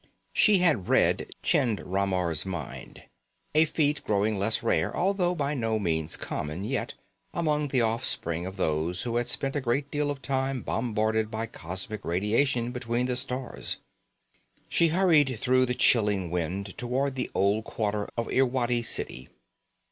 She had read Chind Ramar's mind; a feat growing less rare although by no means common yet among the offspring of those who had spent a great deal of time bombarded by cosmic radiation between the stars. She hurried through the chilling wind toward the Old Quarter of Irwadi City.